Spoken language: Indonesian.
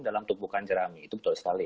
dalam tumpukan jerami itu betul sekali